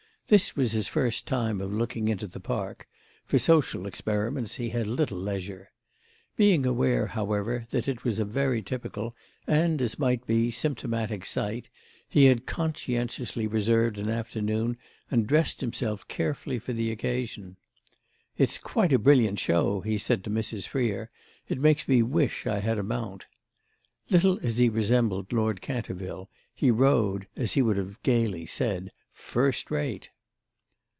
This was his first time of looking into the Park; for social experiments he had little leisure. Being aware, however, that it was a very typical and, as might be, symptomatic sight, he had conscientiously reserved an afternoon and dressed himself carefully for the occasion. "It's quite a brilliant show," he said to Mrs. Freer; "it makes me wish I had a mount." Little as he resembled Lord Canterville he rode, as he would have gaily said, first rate.